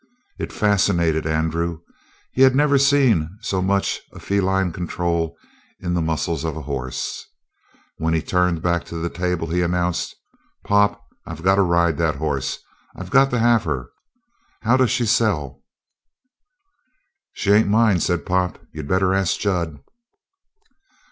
It fascinated Andrew; he had never seen so much of feline control in the muscles of a horse. When he turned back to the table he announced: "Pop, I've got to ride that horse. I've got to have her. How does she sell?" "She ain't mine," said Pop. "You better ask Jud."